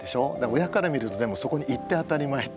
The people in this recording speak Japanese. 親から見るとでもそこに行って当たり前っていうかね